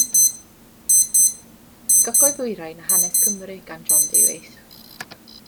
Gogledd-ddwyrain a Hanes Cymru gan John Davies.